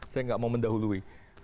saya nggak mau mendahului